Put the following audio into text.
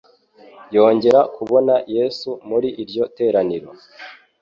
yongera kubona Yesu muri iryo teraniro.